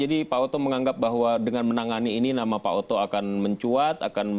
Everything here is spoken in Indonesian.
jadi pak oto menganggap bahwa dengan menangani ini nama pak oto akan mencuat